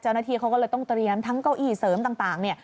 เจ้าหน้าที่เขาก็เลยต้องเตรียมทั้งเก้าอี้เสริมต่าง